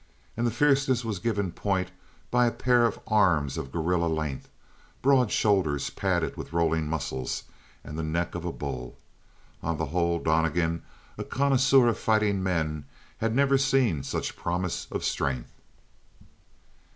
And the fierceness was given point by a pair of arms of gorilla length; broad shoulders padded with rolling muscles, and the neck of a bull. On the whole, Donnegan, a connoisseur of fighting men, had never seen such promise of strength.